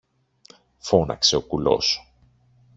φώναξε ο κουλός.